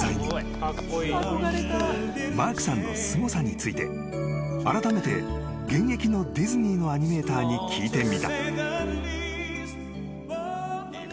［マークさんのすごさについてあらためて現役のディズニーのアニメーターに聞いてみた］